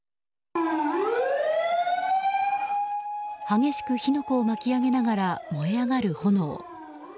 激しく火の粉を巻き上げながら燃え上がる炎。